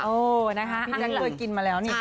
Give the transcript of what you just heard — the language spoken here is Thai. พี่จังเคยกินมาแล้วนี่